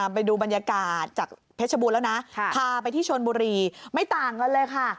ไปดูบรรยากาศจากเพชรบูรณแล้วนะพาไปที่ชนบุรีไม่ต่างกันเลยค่ะ